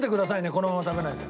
このまま食べないで。